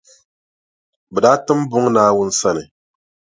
Bɛ daa tim buŋa Naawuni sani.